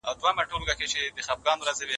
لیکل د اوږد مهاله حافظې لپاره تر اورېدلو غوره دي.